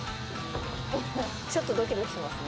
ちょっとドキドキしますね